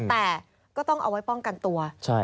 แต่ก็ต้องเอาไว้ป้องกันตัว